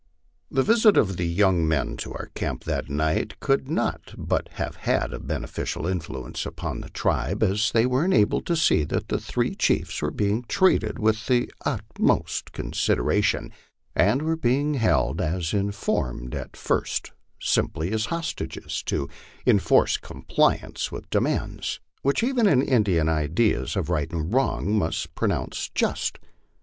The visit of the young men to our camp that night could not but have a beneficial influence upon the tribe, as they were enabled to see that the three chiefs were being treated with the utmost consideration, and were being held, as informed at first, simply as hostages, to enforce compliance with demands MY LIFE OX THE PLAINS. 247 which even an Indian's ideas of right and wrong must pronounce just.